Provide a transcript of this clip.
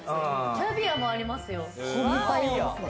キャビアもありますよ。